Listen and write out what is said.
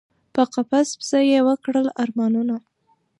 په قفس پسي یی وکړل ارمانونه